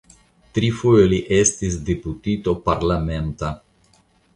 Trifoje li estis deputito parlamenta.